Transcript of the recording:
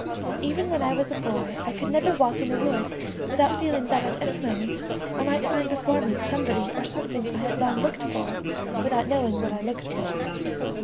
Even when I was a boy I could never walk in a wood without feeling that at any moment I might find before me somebody or something I had long looked for without knowing what I looked for.